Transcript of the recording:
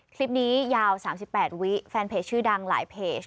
คลิปนี้ยาว๓๘วิแฟนเพจชื่อดังหลายเพจ